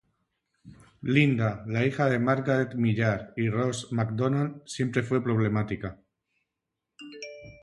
Linda, la hija de Margaret Millar y Ross Macdonald, siempre fue problemática.